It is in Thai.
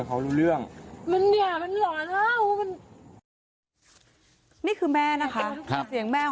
อ๋อทะเลาะกันประจำ